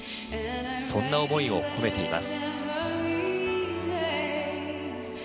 そんな思いを込めています。